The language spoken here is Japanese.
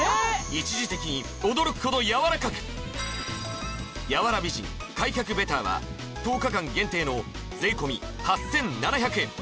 一時的に驚くほど柔らかく柔ら美人開脚ベターは１０日間限定の税込８７００円